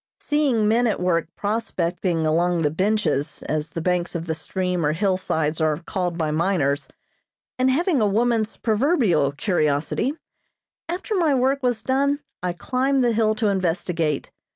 Seeing men at work prospecting along the "benches," as the banks of a stream or hillsides are called by miners, and having a woman's proverbial curiosity, after my work was done I climbed the hill to investigate.